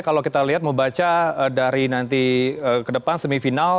kalau kita lihat membaca dari nanti ke depan semifinal